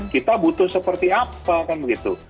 kita butuh seperti apa kan begitu